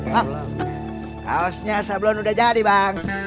pak kaosnya sablon udah jadi bang